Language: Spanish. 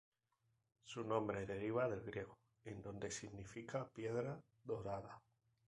Su nombre deriva del griego en donde significa "piedra dorada".